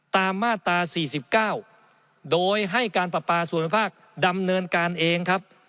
ตามมาตรา๔๙โดยให้การประปาส่วนภาคดำเนินการเองครับ